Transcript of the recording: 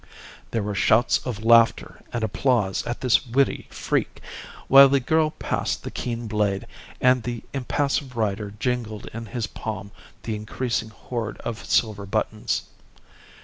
There were shouts of laughter and applause at this witty freak, while the girl passed the keen blade, and the impassive rider jingled in his palm the increasing hoard of silver buttons.